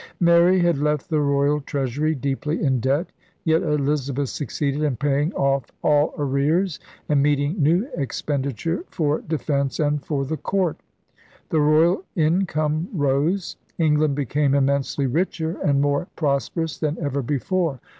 Mary had left the royal treasury deeply in debt. Yet Elizabeth succeeded in paying off all arrears and meeting new expenditure for de fence and for the court. The royal income rose. England became immensely richer and more prosperous than ever before.